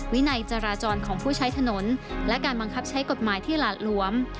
วินัยจราจรของผู้ใช้ถนนและการบังคับใช้กฎหมายที่หลาดหลวม